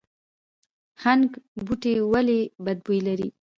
هنګ بوټی ولې بد بوی لري؟